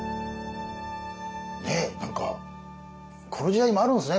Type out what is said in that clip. ねえ何かこの時代もあるんですね。